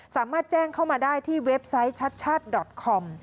สามารถแจ้งเข้ามาได้ที่เว็บไซต์ชัดดอตคอม